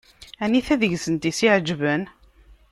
Anita deg-sent i s-iɛeǧben?